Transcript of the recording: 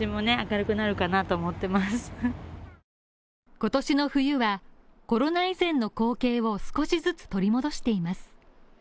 今年の冬は、コロナ以前の光景を少しずつ取り戻しています。